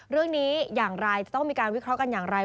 เรื่องนี้อย่างไรจะต้องมีการวิเคราะห์กันอย่างไร